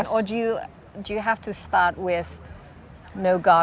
atau anda harus mulai dengan tidak memiliki hutan